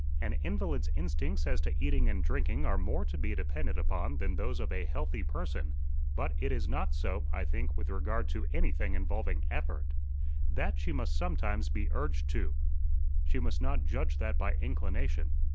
An invalid's instincts as to eating and drinking are more to be depended upon than those of a healthy person; but it is not so, I think with regard to anything involving effort. That she must sometimes be urged to. She must not judge that by inclination.